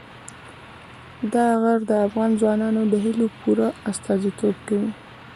دا غر د افغان ځوانانو د هیلو پوره استازیتوب کوي.